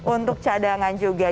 untuk cadangan juga